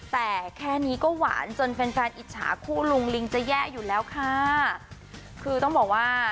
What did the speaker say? แต่แค่นี้ก็หวานจนแฟนแฟนอิจฉาคู่ลุงลิงจะแย่อยู่แล้วค่ะคือต้องบอกว่า